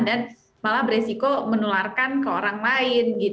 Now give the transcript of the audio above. dan malah beresiko menularkan ke orang lain